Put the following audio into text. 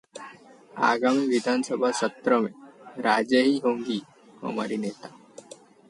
'आगामी विधानसभा सत्र में राजे ही होंगी हमारी नेता'